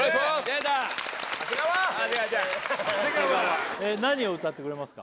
出た長谷川ちゃん何を歌ってくれますか？